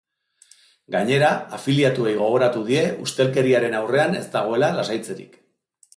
Gainera, afiliatuei gogoratu die ustelkeriaren aurrean ez dagoela lasaitzerik.